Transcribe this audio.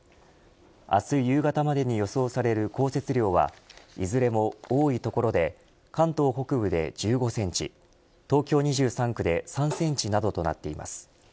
明日夕方までに予想される降雪量はいずれも多い所で関東北部で１５センチ東京２３区で３センチなどとなっています。